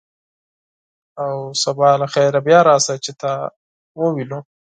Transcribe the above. او سبا له خیره بیا راشه، چې تا ووینو.